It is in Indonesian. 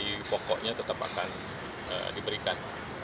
ini pokoknya tetap akan diberikan